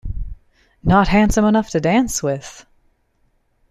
Not handsome enough to dance with!